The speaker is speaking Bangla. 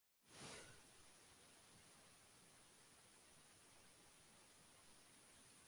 দুশো অসভ্য লোকে যা ময়লা করতে পারে না, একটা শোরে তা করে দেয়।